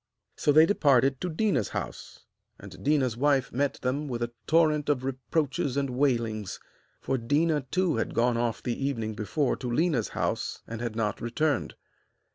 So they departed to Déna's house, and Déna's wife met them with a torrent of reproaches and wailings, for Déna too had gone off the evening before to Léna's house and had not returned.